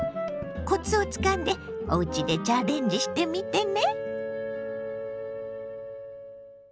コツをつかんでおうちでチャレンジしてみてね！